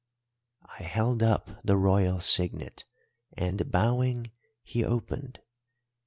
"I held up the Royal signet, and, bowing, he opened.